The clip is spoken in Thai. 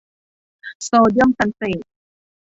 โซเดียมซัลเฟต